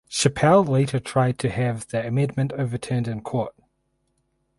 Chappell later tried to have the amendment overturned in court.